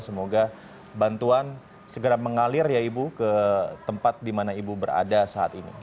semoga bantuan segera mengalir ya ibu ke tempat di mana ibu berada saat ini